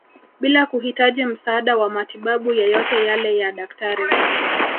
Bila kuhitaji msaada wa matibabu yeyote yale ya Daktari